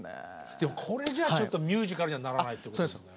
でもこれじゃちょっとミュージカルにはならないってことですよね。